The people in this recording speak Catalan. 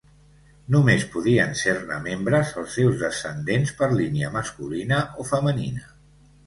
Només podien ser-ne membres els seus descendents per línia masculina o femenina.